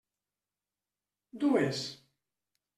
Dues.